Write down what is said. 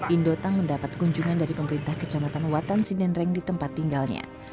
indotang mendapat kunjungan dari pemerintah kecamatan watan sinendreng di tempat tinggalnya